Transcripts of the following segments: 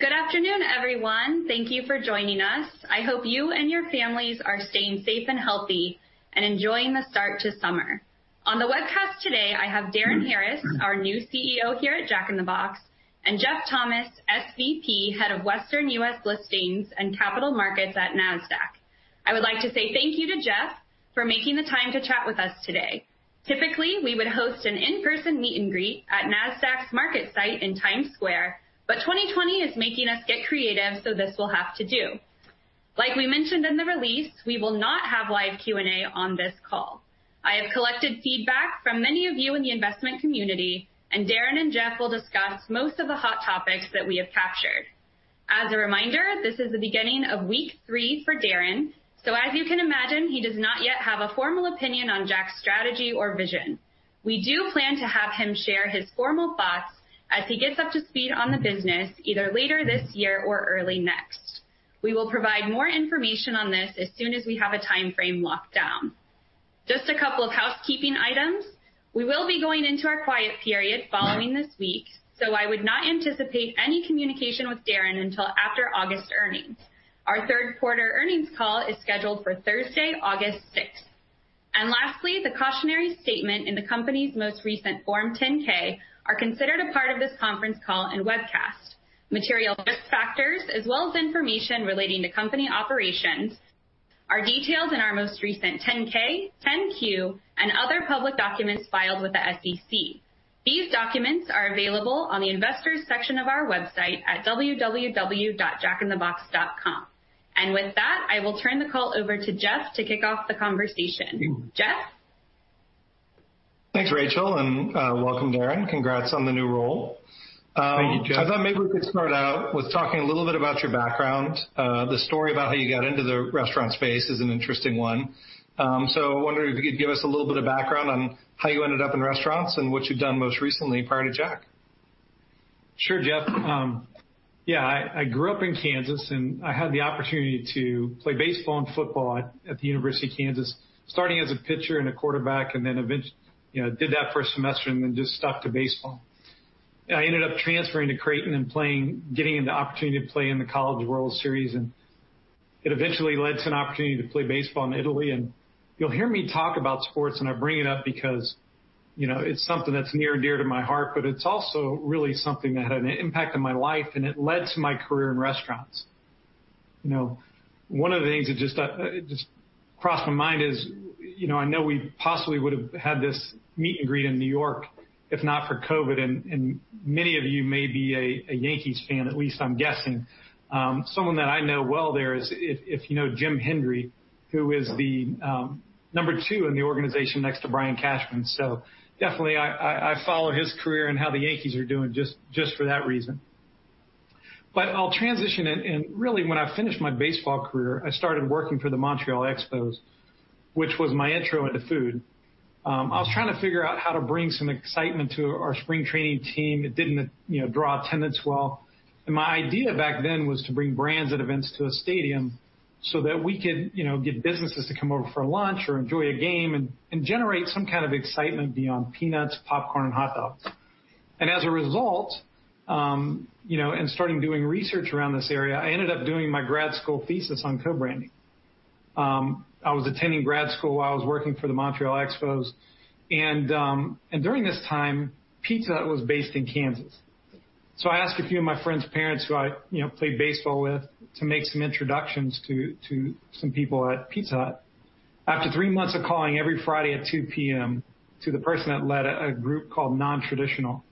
Good afternoon, everyone. Thank you for joining us. I hope you and your families are staying safe and healthy and enjoying the start to summer. On the webcast today, I have Darin Harris, our new CEO here at Jack in the Box, and Jeff Thomas, SVP, Head of Western US Listings and Capital Markets at Nasdaq. I would like to say thank you to Jeff for making the time to chat with us today. Typically, we would host an in-person meet and greet at Nasdaq's market site in Times Square, but 2020 is making us get creative, so this will have to do. Like we mentioned in the release, we will not have live Q&A on this call. I have collected feedback from many of you in the investment community, and Darin and Jeff will discuss most of the hot topics that we have captured. As a reminder, this is the beginning of week three for Darin, so as you can imagine, he does not yet have a formal opinion on Jack's strategy or vision. We do plan to have him share his formal thoughts as he gets up to speed on the business, either later this year or early next. We will provide more information on this as soon as we have a time frame locked down. Just a couple of housekeeping items. We will be going into our quiet period following this week, so I would not anticipate any communication with Darin until after August earnings. Our third quarter earnings call is scheduled for Thursday, August sixth. Lastly, the cautionary statement in the company's most recent Form 10-K are considered a part of this conference call and webcast. Material risk factors as well as information relating to company operations are detailed in our most recent 10-K, 10-Q, and other public documents filed with the SEC. These documents are available on the investors section of our website at www.jackinthebox.com. With that, I will turn the call over to Jeff to kick off the conversation. Jeff? Thanks, Rachel, and welcome, Darin. Congrats on the new role. Thank you, Jeff. I thought maybe we could start out with talking a little bit about your background. The story about how you got into the restaurant space is an interesting one. So I wonder if you could give us a little bit of background on how you ended up in restaurants and what you've done most recently prior to Jack? Sure, Jeff. Yeah, I grew up in Kansas, and I had the opportunity to play baseball and football at the University of Kansas, starting as a pitcher and a quarterback, and then, you know, did that for a semester and then just stuck to baseball. I ended up transferring to Creighton and playing, getting the opportunity to play in the College World Series, and it eventually led to an opportunity to play baseball in Italy. And you'll hear me talk about sports, and I bring it up because, you know, it's something that's near and dear to my heart, but it's also really something that had an impact on my life, and it led to my career in restaurants. You know, one of the things that just crossed my mind is, you know, I know we possibly would have had this meet and greet in New York, if not for COVID, and many of you may be a Yankees fan, at least I'm guessing. Someone that I know well there. If you know Jim Hendry, who is the number two in the organization next to Brian Cashman. So definitely I follow his career and how the Yankees are doing just for that reason. But I'll transition, and really, when I finished my baseball career, I started working for the Montreal Expos, which was my intro into food. I was trying to figure out how to bring some excitement to our spring training team. It didn't, you know, draw attendance well. My idea back then was to bring brands and events to a stadium so that we could, you know, get businesses to come over for lunch or enjoy a game and generate some kind of excitement beyond peanuts, popcorn, and hot dogs. As a result, you know, and starting doing research around this area, I ended up doing my grad school thesis on co-branding. I was attending grad school while I was working for the Montreal Expos, and during this time, Pizza Hut was based in Kansas. So I asked a few of my friends' parents, who I, you know, played baseball with, to make some introductions to some people at Pizza Hut. After three months of calling every Friday at 2:00 P.M. to the person that led a group called Nontraditional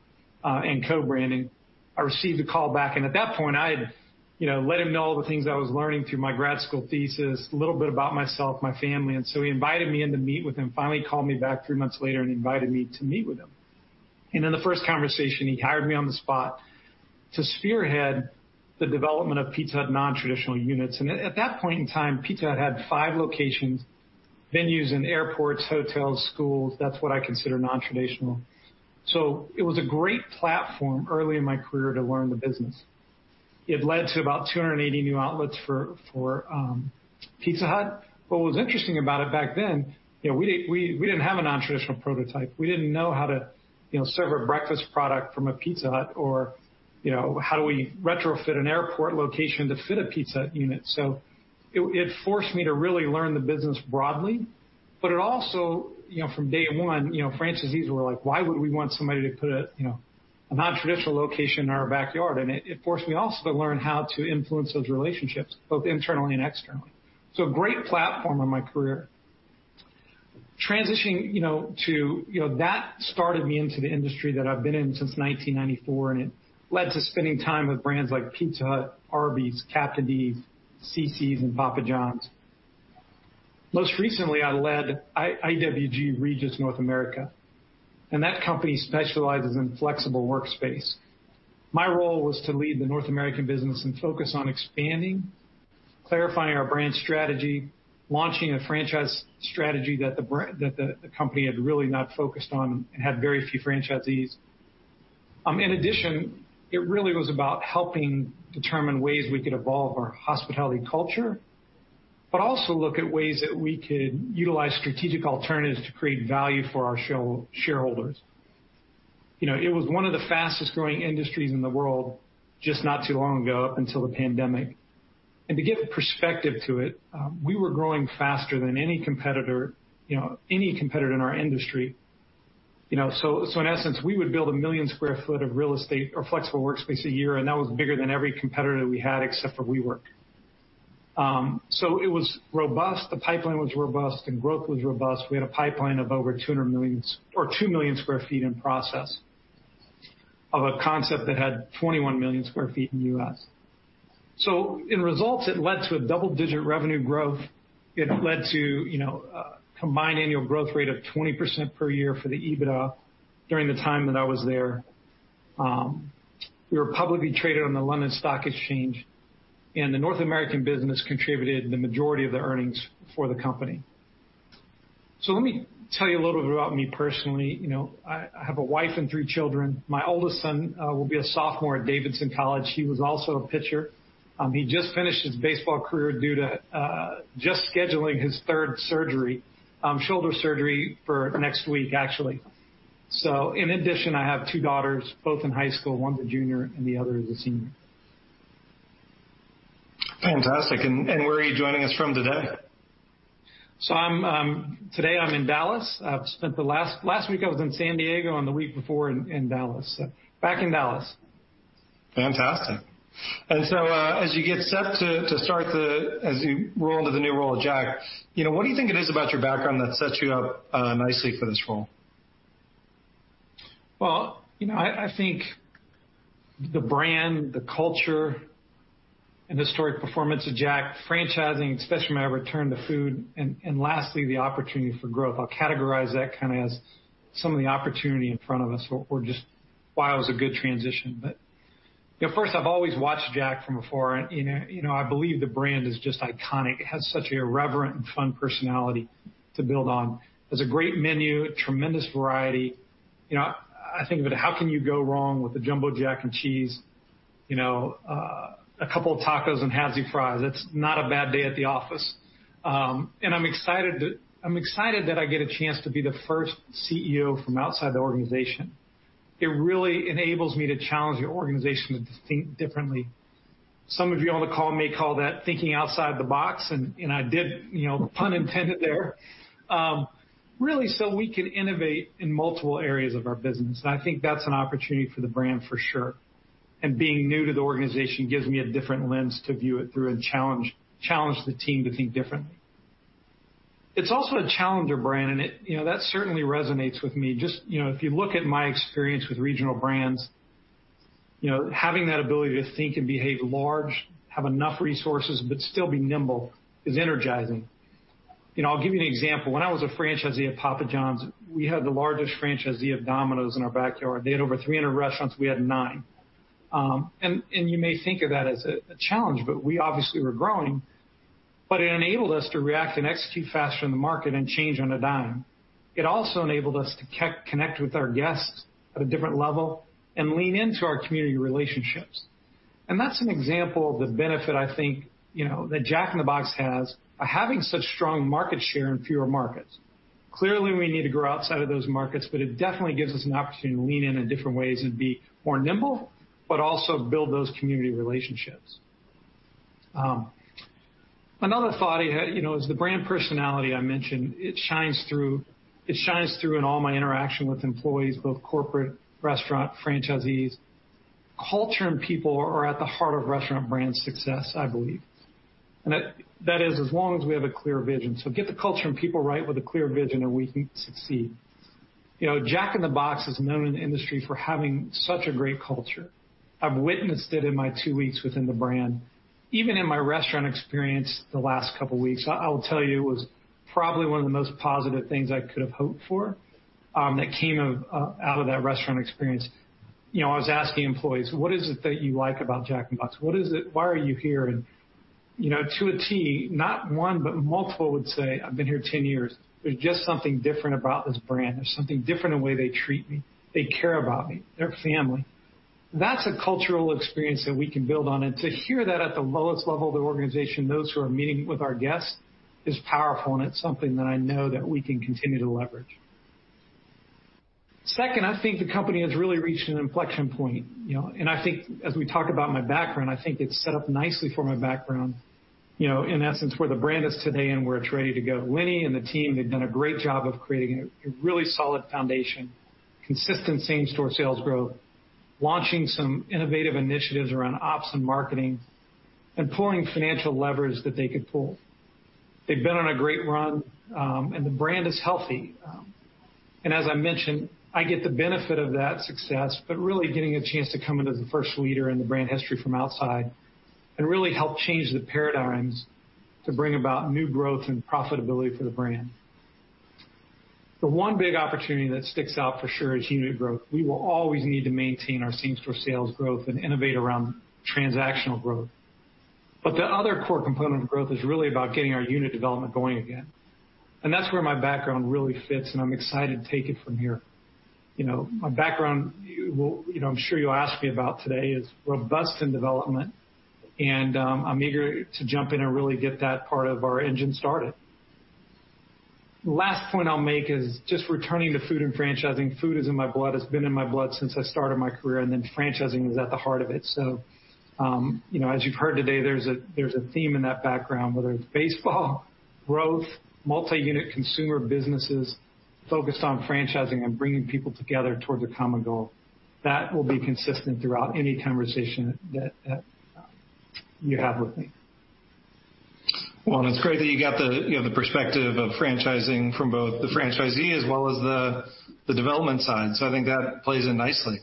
and Co-branding, I received a call back, and at that point, I had, you know, let him know all the things I was learning through my grad school thesis, a little bit about myself, my family, and so he invited me in to meet with him. Finally, he called me back three months later and invited me to meet with him. In the first conversation, he hired me on the spot to spearhead the development of Pizza Hut nontraditional units. At that point in time, Pizza Hut had five locations, venues in airports, hotels, schools. That's what I consider nontraditional. So it was a great platform early in my career to learn the business. It led to about 280 new outlets for Pizza Hut. What was interesting about it back then, you know, we didn't have a nontraditional prototype. We didn't know how to, you know, serve a breakfast product from a Pizza Hut or, you know, how do we retrofit an airport location to fit a Pizza Hut unit? So it forced me to really learn the business broadly, but it also, you know, from day one, you know, franchisees were like: Why would we want somebody to put a, you know, a nontraditional location in our backyard? And it forced me also to learn how to influence those relationships, both internally and externally. So a great platform in my career. Transitioning, you know, to - you know, that started me into the industry that I've been in since 1994, and it led to spending time with brands like Pizza Hut, Arby's, Captain D's, Cicis, and Papa John's. Most recently, I led IWG Regus North America, and that company specializes in flexible workspace. My role was to lead the North American business and focus on expanding, clarifying our brand strategy, launching a franchise strategy that the company had really not focused on and had very few franchisees. In addition, it really was about helping determine ways we could evolve our hospitality culture but also look at ways that we could utilize strategic alternatives to create value for our shareholders. You know, it was one of the fastest growing industries in the world, just not too long ago, until the pandemic. And to give perspective to it, we were growing faster than any competitor, you know, any competitor in our industry. You know, so, so in essence, we would build a million sq ft of real estate or flexible workspace a year, and that was bigger than every competitor we had, except for WeWork. So it was robust, the pipeline was robust, and growth was robust. We had a pipeline of over 200 million, or 2 million sq ft in process of a concept that had 21 million sq ft in the U.S. So in results, it led to a double-digit revenue growth. It led to, you know, a combined annual growth rate of 20% per year for the EBITDA during the time that I was there. We were publicly traded on the London Stock Exchange, and the North American business contributed the majority of the earnings for the company. So let me tell you a little bit about me personally. You know, I, I have a wife and three children. My oldest son will be a sophomore at Davidson College. He was also a pitcher. He just finished his baseball career due to just scheduling his third surgery, shoulder surgery for next week, actually. So in addition, I have two daughters, both in high school, one's a junior and the other is a senior. Fantastic. Where are you joining us from today? So, today, I'm in Dallas. I've spent last week in San Diego, and the week before in Dallas. So back in Dallas. Fantastic. And so, as you get set to as you roll into the new role at Jack, you know, what do you think it is about your background that sets you up nicely for this role? Well, you know, I think the brand, the culture, and historic performance of Jack, franchising, especially when I returned to food, and lastly, the opportunity for growth. I'll categorize that kinda as some of the opportunity in front of us or just why it was a good transition. But, you know, first, I've always watched Jack from afar, and, you know, I believe the brand is just iconic. It has such a irreverent and fun personality to build on. There's a great menu, a tremendous variety. You know, I think of it, how can you go wrong with the Jumbo Jack and cheese? You know, a couple of tacos and hand-cut fries. That's not a bad day at the office. And I'm excited that I get a chance to be the first CEO from outside the organization. It really enables me to challenge the organization to think differently. Some of you on the call may call that thinking outside the box, and I did, you know, pun intended there. Really, so we can innovate in multiple areas of our business, and I think that's an opportunity for the brand, for sure. Being new to the organization gives me a different lens to view it through and challenge the team to think differently. It's also a challenger brand, and it, you know, that certainly resonates with me. Just, you know, if you look at my experience with regional brands, you know, having that ability to think and behave large, have enough resources, but still be nimble is energizing. You know, I'll give you an example: when I was a franchisee at Papa John's, we had the largest franchisee of Domino's in our backyard. They had over 300 restaurants, we had nine. And you may think of that as a challenge, but we obviously were growing, but it enabled us to react and execute faster in the market and change on a dime. It also enabled us to connect with our guests at a different level and lean into our community relationships. And that's an example of the benefit, I think, you know, that Jack in the Box has by having such strong market share in fewer markets. Clearly, we need to grow outside of those markets, but it definitely gives us an opportunity to lean in in different ways and be more nimble, but also build those community relationships. Another thought I had, you know, is the brand personality I mentioned. It shines through, it shines through in all my interaction with employees, both corporate, restaurant, franchisees. Culture and people are at the heart of restaurant brand success, I believe. And that is, as long as we have a clear vision. So get the culture and people right with a clear vision, and we can succeed. You know, Jack in the Box is known in the industry for having such a great culture. I've witnessed it in my two weeks within the brand. Even in my restaurant experience the last couple of weeks, I will tell you, it was probably one of the most positive things I could have hoped for, that came out of that restaurant experience. You know, I was asking employees: What is it that you like about Jack in the Box? What is it? Why are you here? And, you know, to a T, not one, but multiple would say, "I've been here 10 years. There's just something different about this brand. There's something different in the way they treat me. They care about me. They're family." That's a cultural experience that we can build on, and to hear that at the lowest level of the organization, those who are meeting with our guests, is powerful, and it's something that I know that we can continue to leverage. Second, I think the company has really reached an inflection point, you know? And I think as we talk about my background, I think it's set up nicely for my background, you know, in essence, where the brand is today and where it's ready to go. Lenny and the team, they've done a great job of creating a really solid foundation, consistent same-store sales growth, launching some innovative initiatives around ops and marketing, and pulling financial levers that they could pull. They've been on a great run, and the brand is healthy. And as I mentioned, I get the benefit of that success, but really getting a chance to come in as the first leader in the brand history from outside and really help change the paradigms to bring about new growth and profitability for the brand. The one big opportunity that sticks out for sure is unit growth. We will always need to maintain our same-store sales growth and innovate around transactional growth. But the other core component of growth is really about getting our unit development going again, and that's where my background really fits, and I'm excited to take it from here.... You know, my background, well, you know, I'm sure you'll ask me about today, is robust in development, and, I'm eager to jump in and really get that part of our engine started. The last point I'll make is just returning to food and franchising. Food is in my blood. It's been in my blood since I started my career, and then franchising is at the heart of it. So, you know, as you've heard today, there's a theme in that background, whether it's baseball, growth, multi-unit consumer businesses focused on franchising and bringing people together towards a common goal. That will be consistent throughout any conversation that you have with me. Well, it's great that you got the, you know, the perspective of franchising from both the franchisee as well as the, the development side, so I think that plays in nicely.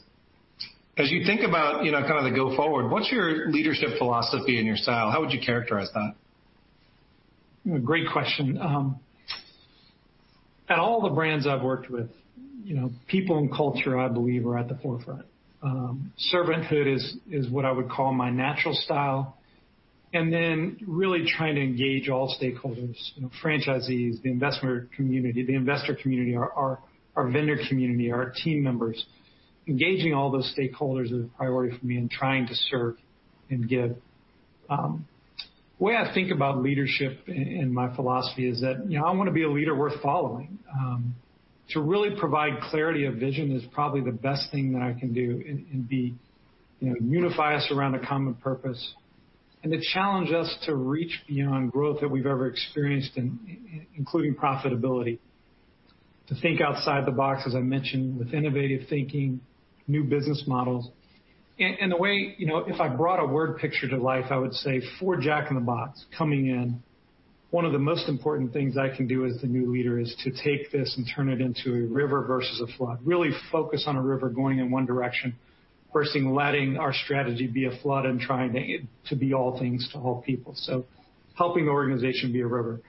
As you think about, you know, kind of the go forward, what's your leadership philosophy and your style? How would you characterize that? Great question. At all the brands I've worked with, you know, people and culture, I believe, are at the forefront. Servanthood is what I would call my natural style, and then really trying to engage all stakeholders, you know, franchisees, the investor community, the investor community, our vendor community, our team members. Engaging all those stakeholders is a priority for me in trying to serve and give. The way I think about leadership and my philosophy is that, you know, I wanna be a leader worth following. To really provide clarity of vision is probably the best thing that I can do and be, you know, unify us around a common purpose, and to challenge us to reach beyond growth that we've ever experienced including profitability. To think outside the box, as I mentioned, with innovative thinking, new business models. And the way... You know, if I brought a word picture to life, I would say for Jack in the Box coming in, one of the most important things I can do as the new leader is to take this and turn it into a river versus a flood. Really focus on a river going in one direction versus letting our strategy be a flood and trying to be all things to all people, so helping the organization be a river.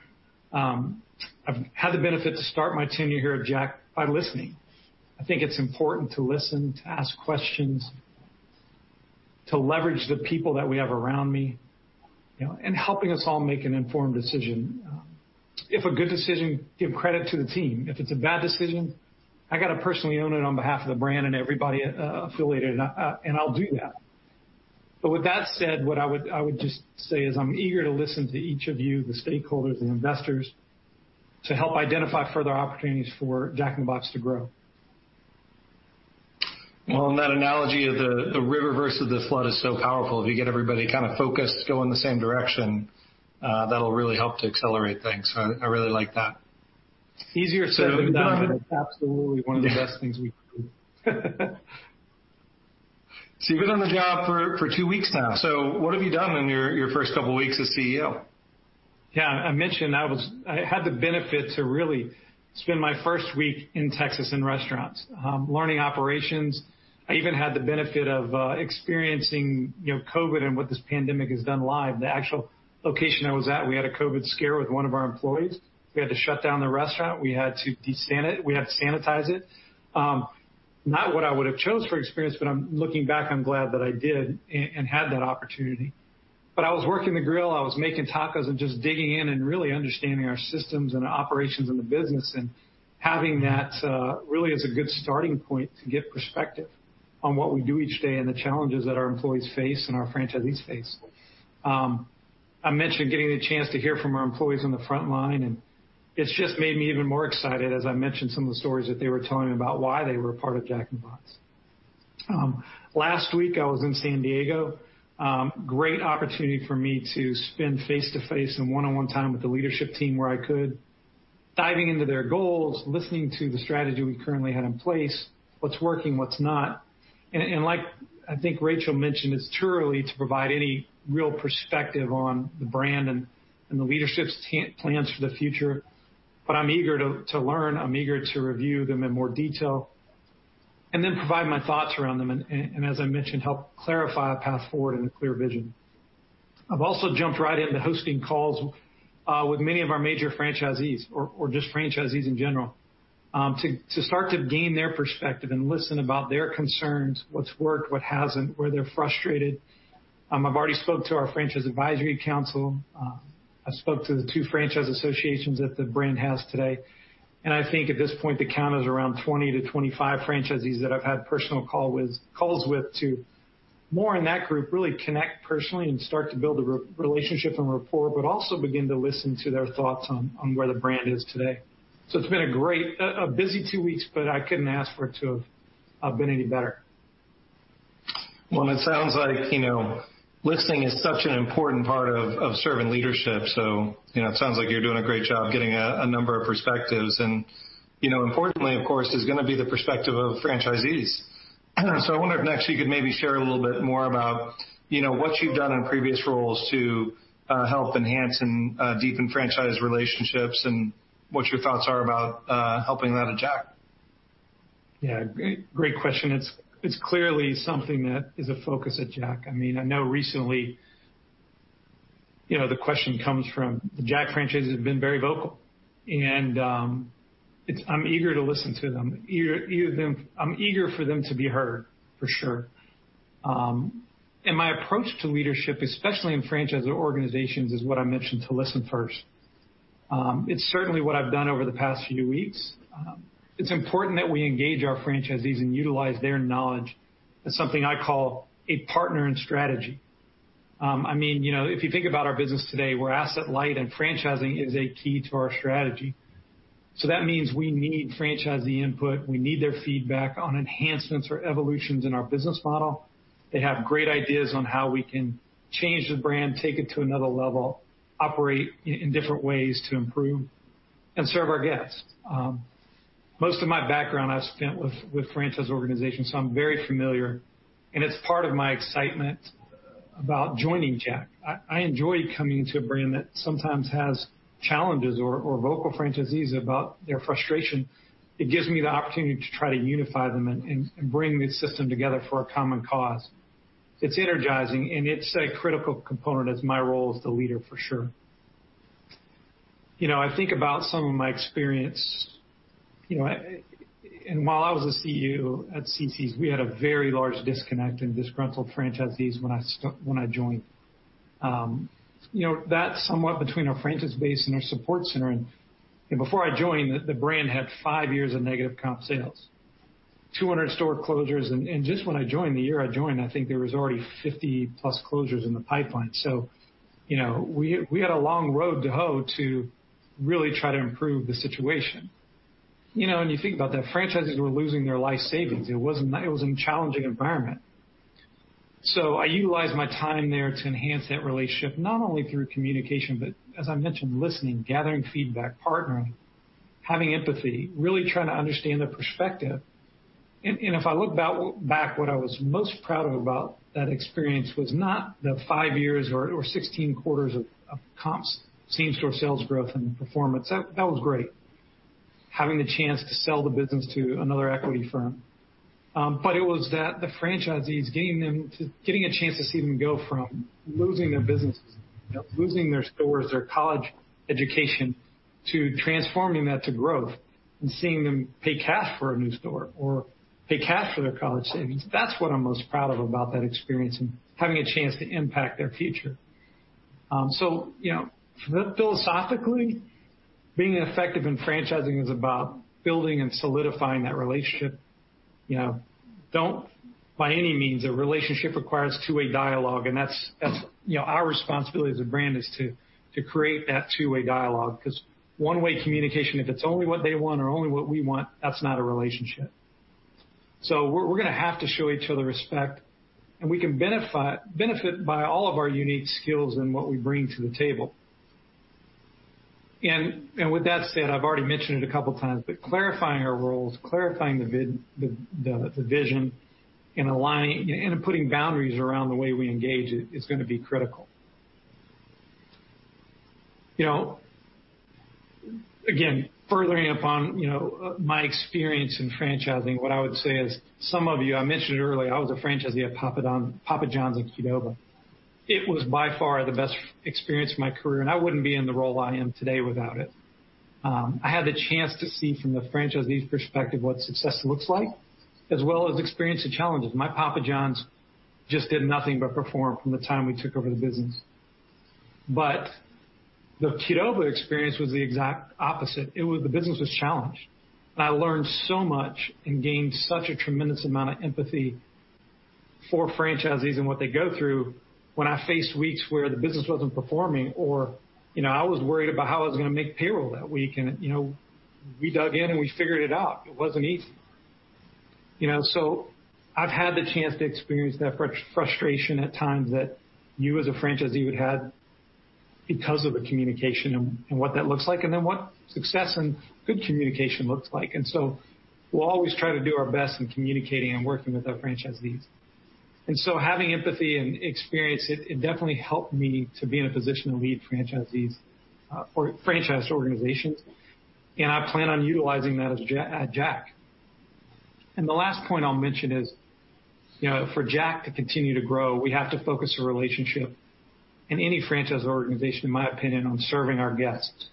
I've had the benefit to start my tenure here at Jack by listening. I think it's important to listen, to ask questions, to leverage the people that we have around me, you know, and helping us all make an informed decision. If a good decision, give credit to the team. If it's a bad decision, I gotta personally own it on behalf of the brand and everybody affiliated, and I'll do that. But with that said, what I would, I would just say is I'm eager to listen to each of you, the stakeholders and investors, to help identify further opportunities for Jack in the Box to grow. Well, and that analogy of the river versus the flood is so powerful. If you get everybody kind of focused, going the same direction, that'll really help to accelerate things. So I really like that. It's easier said than done. Absolutely. One of the best things we could do. So you've been on the job for two weeks now, so what have you done in your first couple weeks as CEO? Yeah, I mentioned I was. I had the benefit to really spend my first week in Texas in restaurants, learning operations. I even had the benefit of experiencing, you know, COVID and what this pandemic has done live. The actual location I was at, we had a COVID scare with one of our employees. We had to shut down the restaurant. We had to sanitize it. Not what I would have chose for experience, but I'm looking back, I'm glad that I did and had that opportunity. But I was working the grill, I was making tacos and just digging in and really understanding our systems and operations in the business, and having that really is a good starting point to get perspective on what we do each day and the challenges that our employees face and our franchisees face. I mentioned getting the chance to hear from our employees on the front line, and it's just made me even more excited, as I mentioned, some of the stories that they were telling me about why they were a part of Jack in the Box. Last week, I was in San Diego. Great opportunity for me to spend face-to-face and one-on-one time with the leadership team where I could, diving into their goals, listening to the strategy we currently had in place, what's working, what's not. And like, I think Rachel mentioned, it's too early to provide any real perspective on the brand and the leadership's plans for the future, but I'm eager to learn. I'm eager to review them in more detail and then provide my thoughts around them and, and as I mentioned, help clarify a path forward and a clear vision. I've also jumped right into hosting calls, with many of our major franchisees or, or just franchisees in general, to, to start to gain their perspective and listen about their concerns, what's worked, what hasn't, where they're frustrated. I've already spoke to our Franchise Advisory Council. I spoke to the two franchise associations that the brand has today, and I think at this point, the count is around 20-25 franchisees that I've had personal call with - calls with to more in that group, really connect personally and start to build a relationship and rapport, but also begin to listen to their thoughts on, on where the brand is today. So it's been a great - a busy two weeks, but I couldn't ask for it to have been any better. Well, and it sounds like, you know, listening is such an important part of serving leadership, so, you know, it sounds like you're doing a great job getting a number of perspectives. And, you know, importantly, of course, is gonna be the perspective of franchisees. So I wonder if next you could maybe share a little bit more about, you know, what you've done in previous roles to help enhance and deepen franchise relationships and what your thoughts are about helping that at Jack. Yeah, great, great question. It's clearly something that is a focus at Jack. I mean, I know recently, you know, the question comes from, the Jack franchisees have been very vocal, and it's - I'm eager to listen to them. I'm eager for them to be heard, for sure. And my approach to leadership, especially in franchisor organizations, is what I mentioned, to listen first. It's certainly what I've done over the past few weeks. It's important that we engage our franchisees and utilize their knowledge as something I call a partner in strategy. I mean, you know, if you think about our business today, we're asset light, and franchising is a key to our strategy. So that means we need franchisee input. We need their feedback on enhancements or evolutions in our business model. They have great ideas on how we can change the brand, take it to another level, operate in different ways to improve and serve our guests. Most of my background I've spent with franchise organizations, so I'm very familiar, and it's part of my excitement about joining Jack. I enjoyed coming into a brand that sometimes has challenges or vocal franchisees about their frustration. It gives me the opportunity to try to unify them and bring the system together for a common cause. It's energizing, and it's a critical component as my role as the leader, for sure. You know, I think about some of my experience, you know, and while I was a CEO at Cicis, we had a very large disconnect and disgruntled franchisees when I joined. You know, that's somewhat between our franchise base and our support center, and before I joined, the brand had five years of negative comp sales, 200 store closures, and just when I joined, the year I joined, I think there was already 50+ closures in the pipeline. So, you know, we had a long row to hoe to really try to improve the situation. You know, when you think about that, franchises were losing their life savings. It wasn't. It was a challenging environment. So I utilized my time there to enhance that relationship, not only through communication, but as I mentioned, listening, gathering feedback, partnering, having empathy, really trying to understand their perspective. And if I look back, what I was most proud of about that experience was not the five years or 16 quarters of comps, same-store sales growth and performance. That was great, having the chance to sell the business to another equity firm. But it was that the franchisees, getting a chance to see them go from losing their businesses, losing their stores, their college education, to transforming that to growth and seeing them pay cash for a new store or pay cash for their college savings, that's what I'm most proud of about that experience, and having a chance to impact their future. So you know, philosophically, being effective in franchising is about building and solidifying that relationship. You know, don't by any means... A relationship requires two-way dialogue, and that's, you know, our responsibility as a brand is to create that two-way dialogue, because one-way communication, if it's only what they want or only what we want, that's not a relationship. So we're going to have to show each other respect, and we can benefit by all of our unique skills and what we bring to the table. And with that said, I've already mentioned it a couple times, but clarifying our roles, clarifying the vision, and aligning and putting boundaries around the way we engage is going to be critical. You know, again, furthering upon, you know, my experience in franchising, what I would say is some of you, I mentioned it earlier, I was a franchisee at Papa John's and QDOBA. It was by far the best experience of my career, and I wouldn't be in the role I am today without it. I had the chance to see from the franchisee's perspective, what success looks like, as well as experience the challenges. My Papa John's just did nothing but perform from the time we took over the business. But the QDOBA experience was the exact opposite. It was. The business was challenged, and I learned so much and gained such a tremendous amount of empathy for franchisees and what they go through when I faced weeks where the business wasn't performing or, you know, I was worried about how I was going to make payroll that week, and, you know, we dug in, and we figured it out. It wasn't easy. You know, so I've had the chance to experience that frustration at times that you, as a franchisee, would have had because of the communication and what that looks like, and then what success and good communication looks like. So we'll always try to do our best in communicating and working with our franchisees. So having empathy and experience, it definitely helped me to be in a position to lead franchisees or franchise organizations, and I plan on utilizing that at Jack. The last point I'll mention is, you know, for Jack to continue to grow, we have to focus the relationship in any franchise organization, in my opinion, on serving our guests.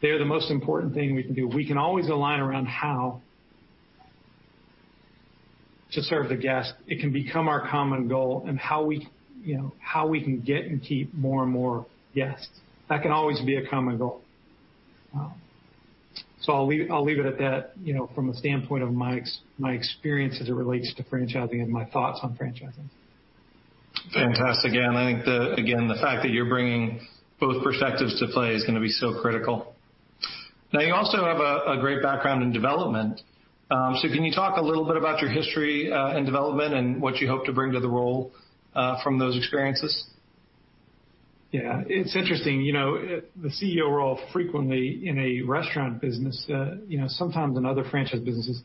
They are the most important thing we can do. We can always align around how to serve the guests. It can become our common goal and how we, you know, how we can get and keep more and more guests. That can always be a common goal. I'll leave it at that, you know, from a standpoint of my experience as it relates to franchising and my thoughts on franchising. Fantastic. And I think, again, the fact that you're bringing both perspectives to play is going to be so critical. Now, you also have a great background in development. So can you talk a little bit about your history in development and what you hope to bring to the role from those experiences? Yeah. It's interesting, you know, the CEO role frequently in a restaurant business, you know, sometimes in other franchise businesses,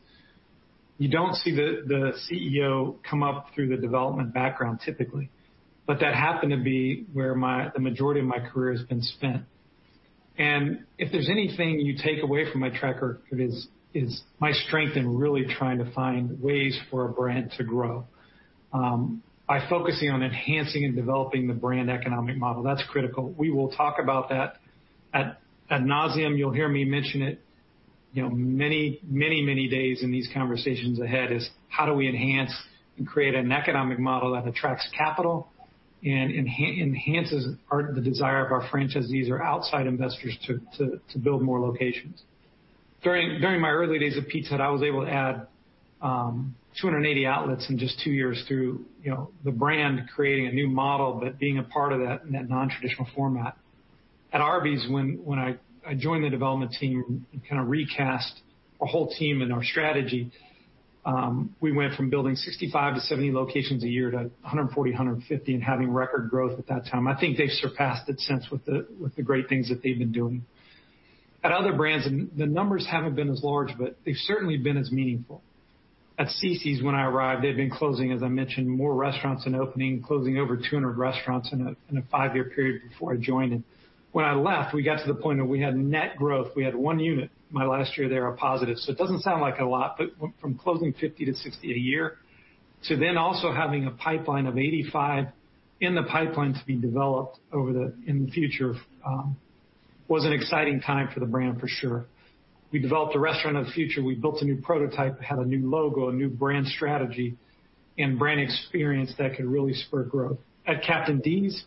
you don't see the CEO come up through the development background typically, but that happened to be where my the majority of my career has been spent. And if there's anything you take away from my tracker, it is my strength in really trying to find ways for a brand to grow, by focusing on enhancing and developing the brand economic model. That's critical. We will talk about that ad nauseam. You'll hear me mention it. You know, many, many, many days in these conversations ahead is how do we enhance and create an economic model that attracts capital and enhances our the desire of our franchisees or outside investors to, to, to build more locations? During my early days at Pizza Hut, I was able to add 280 outlets in just two years through, you know, the brand creating a new model, but being a part of that in that nontraditional format. At Arby's, when I joined the development team and kinda recast our whole team and our strategy, we went from building 65-70 locations a year to 140-150, and having record growth at that time. I think they've surpassed it since with the great things that they've been doing. At other brands, the numbers haven't been as large, but they've certainly been as meaningful. At Cicis, when I arrived, they'd been closing, as I mentioned, more restaurants than opening, closing over 200 restaurants in a five-year period before I joined, and when I left, we got to the point where we had net growth. We had one unit, my last year there, a positive. So it doesn't sound like a lot, but from closing 50 to 60 a year, to then also having a pipeline of 85 in the pipeline to be developed over the in the future, was an exciting time for the brand for sure. We developed a restaurant of the future. We built a new prototype, had a new logo, a new brand strategy and brand experience that could really spur growth. At Captain D's,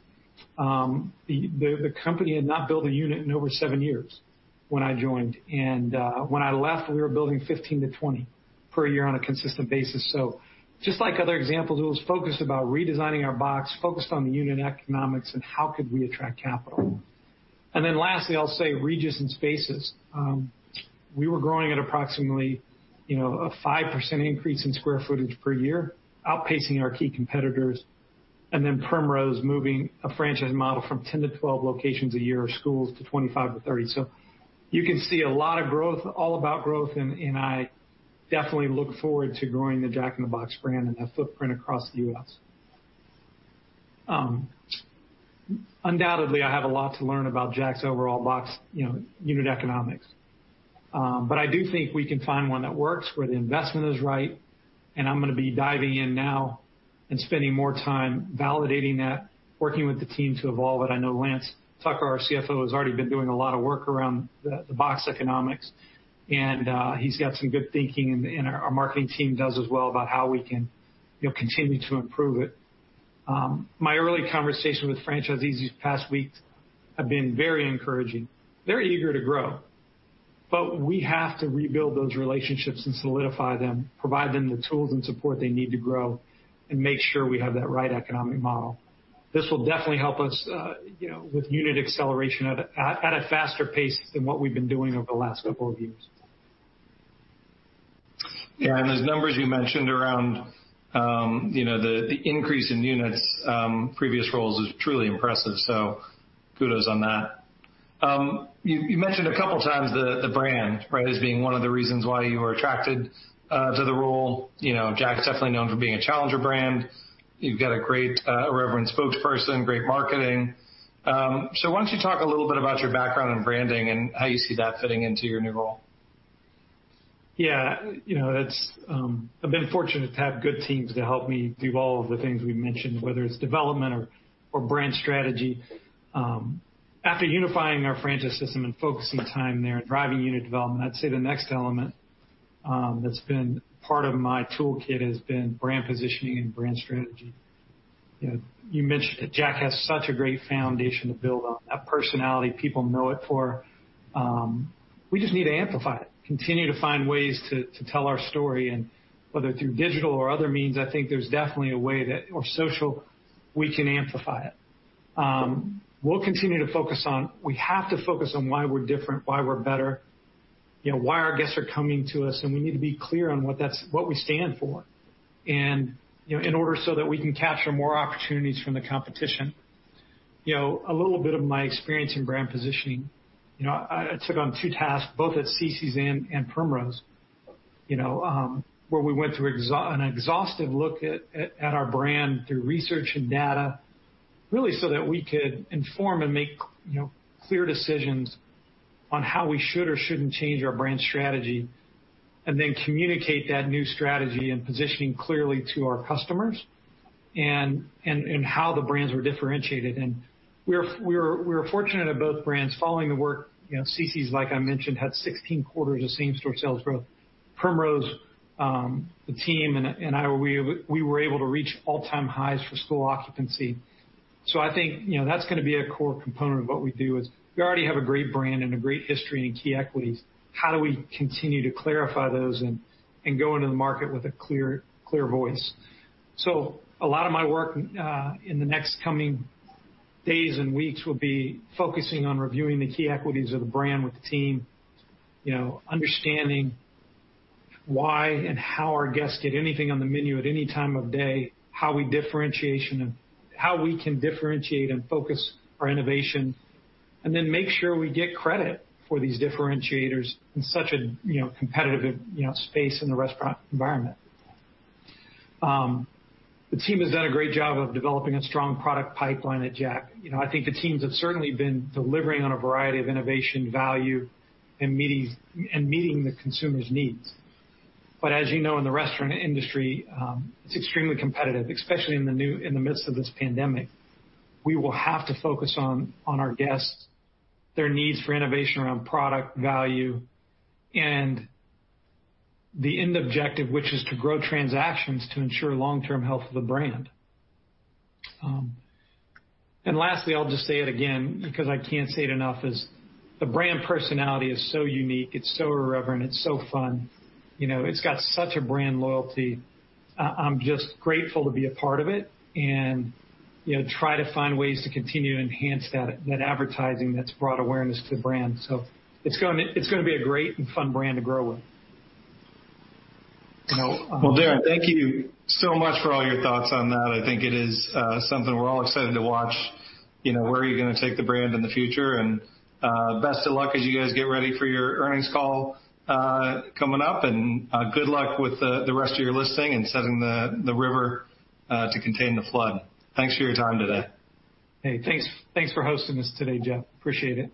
the company had not built a unit in over seven years when I joined, and when I left, we were building 15-20 per year on a consistent basis. So just like other examples, it was focused about redesigning our box, focused on the unit economics and how could we attract capital. And then lastly, I'll say, Regus and Spaces. We were growing at approximately, you know, a 5% increase in square footage per year, outpacing our key competitors, and then Primrose moving a franchise model from 10-12 locations a year of schools to 25-30. So you can see a lot of growth, all about growth, and I definitely look forward to growing the Jack in the Box brand and that footprint across the U.S. Undoubtedly, I have a lot to learn about Jack's overall Box, you know, unit economics. But I do think we can find one that works, where the investment is right, and I'm gonna be diving in now and spending more time validating that, working with the team to evolve it. I know Lance Tucker, our CFO, has already been doing a lot of work around the Box economics, and he's got some good thinking and our marketing team does as well, about how we can, you know, continue to improve it. My early conversations with franchisees these past weeks have been very encouraging. They're eager to grow, but we have to rebuild those relationships and solidify them, provide them the tools and support they need to grow, and make sure we have that right economic model. This will definitely help us, you know, with unit acceleration at a faster pace than what we've been doing over the last couple of years. Yeah, and those numbers you mentioned around, you know, the increase in units, previous roles is truly impressive, so kudos on that. You mentioned a couple times the brand, right, as being one of the reasons why you were attracted to the role. You know, Jack's definitely known for being a challenger brand. You've got a great irreverent spokesperson, great marketing. So why don't you talk a little bit about your background in branding and how you see that fitting into your new role? Yeah, you know, it's, I've been fortunate to have good teams to help me do all of the things we've mentioned, whether it's development or, or brand strategy. After unifying our franchise system and focusing time there and driving unit development, I'd say the next element, that's been part of my toolkit has been brand positioning and brand strategy. You know, you mentioned that Jack has such a great foundation to build on. That personality, people know it for, we just need to amplify it, continue to find ways to, to tell our story and whether through digital or other means, I think there's definitely a way that... or social, we can amplify it. We'll continue to focus on... We have to focus on why we're different, why we're better, you know, why our guests are coming to us, and we need to be clear on what that's, what we stand for and, you know, in order so that we can capture more opportunities from the competition. You know, a little bit of my experience in brand positioning, you know, I took on two tasks, both at Cicis and Primrose, you know, where we went through an exhaustive look at our brand through research and data, really so that we could inform and make, you know, clear decisions on how we should or shouldn't change our brand strategy, and then communicate that new strategy and positioning clearly to our customers and how the brands were differentiated. We were fortunate at both brands following the work. You know, Cicis, like I mentioned, had 16 quarters of same-store sales growth. Primrose, the team and I, we were able to reach all-time highs for school occupancy. So I think, you know, that's gonna be a core component of what we do is, we already have a great brand and a great history and key equities. How do we continue to clarify those and go into the market with a clear, clear voice? So a lot of my work in the next coming days and weeks will be focusing on reviewing the key equities of the brand with the team, you know, understanding why and how our guests get anything on the menu at any time of day, how we can differentiate and focus our innovation, and then make sure we get credit for these differentiators in such a, you know, competitive, you know, space in the restaurant environment. The team has done a great job of developing a strong product pipeline at Jack. You know, I think the teams have certainly been delivering on a variety of innovation, value, and menu items, and meeting the consumers' needs. But as you know, in the restaurant industry, it's extremely competitive, especially in the midst of this pandemic. We will have to focus on our guests, their needs for innovation around product value and the end objective, which is to grow transactions to ensure long-term health of the brand. And lastly, I'll just say it again, because I can't say it enough, is the brand personality is so unique, it's so irreverent, it's so fun. You know, it's got such a brand loyalty. I'm just grateful to be a part of it and, you know, try to find ways to continue to enhance that advertising that's brought awareness to the brand. So it's gonna be a great and fun brand to grow with. Well Darin thank you so much for all your thoughts on that. I think it is something we're all excited to watch, you know, where are you gonna take the brand in the future? And best of luck as you guys get ready for your earnings call coming up, and good luck with the rest of your listing and setting the river to contain the flood. Thanks for your time today. Hey, thanks. Thanks for hosting us today, Jeff. Appreciate it.